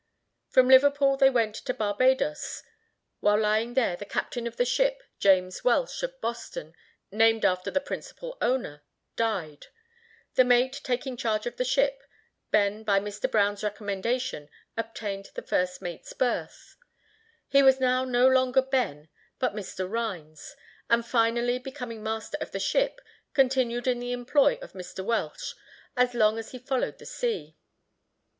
From Liverpool they went to Barbadoes. While lying there, the captain of the ship James Welch, of Boston, named after the principal owner, died. The mate taking charge of the ship, Ben, by Mr. Brown's recommendation, obtained the first mate's berth. He was now no longer Ben, but Mr. Rhines, and finally becoming master of the ship, continued in the employ of Mr. Welch as long as he followed the sea.